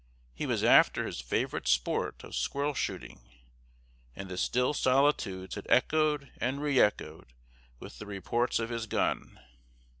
He was after his favorite sport of squirrel shooting, and the still solitudes had echoed and re echoed with the reports of his gun.